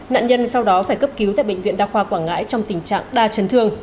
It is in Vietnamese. nạn nhân sau đó phải cấp cứu tại bệnh viện đa khoa quảng ngãi trong tình trạng đa chấn thương